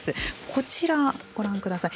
こちら、ご覧ください。